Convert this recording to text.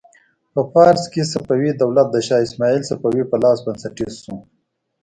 په فارس کې صفوي دولت د شا اسماعیل صفوي په لاس بنسټیز شو.